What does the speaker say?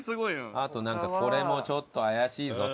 あとなんかこれもちょっと怪しいぞと。